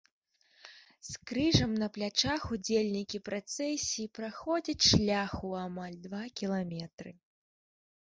З крыжам на плячах удзельнікі працэсіі праходзяць шлях у амаль два кіламетры.